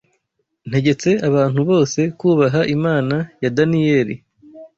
ntegetse abantu bose kubaha Imana ya Daniyeli